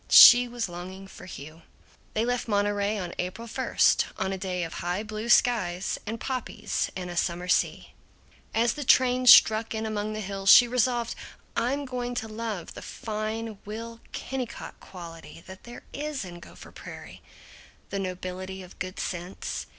She was longing for Hugh. They left Monterey on April first, on a day of high blue skies and poppies and a summer sea. As the train struck in among the hills she resolved, "I'm going to love the fine Will Kennicott quality that there is in Gopher Prairie. The nobility of good sense.